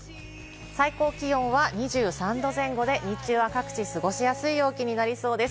最高気温は２３度前後で、日中は各地過ごしやすい陽気になりそうです。